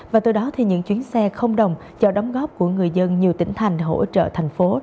và từ đó thì những chuyến xe không đồng cho đóng góp của người dân nhiều tỉnh thành hỗ trợ thành phố